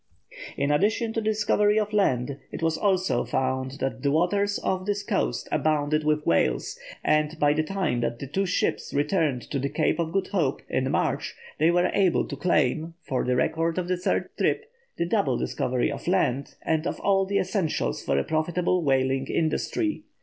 In addition to the discovery of land, it was also found that the waters off this coast abounded with whales, and, by the time that the two ships returned to the Cape of Good Hope, in March, they were able to claim, for the record of the third trip, the double discovery of land and of all the essentials for a profitable whaling industry.